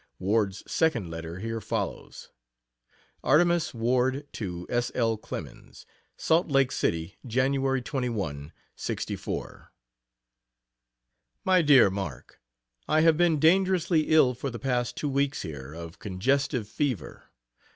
Ward's second letter here follows. Artemus Ward to S. L. Clemens: SALT LAKE CITY, Jan. 21, '64. MY DEAR MARK, I have been dangerously ill for the past two weeks here, of congestive fever.